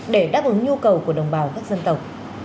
để đáp ứng nhu cầu của đồng bào các dân tộc